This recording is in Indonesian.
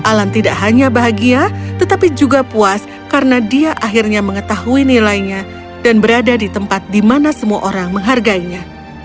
alan tidak hanya bahagia tetapi juga puas karena dia akhirnya mengetahui nilainya dan berada di tempat di mana semua orang menghargainya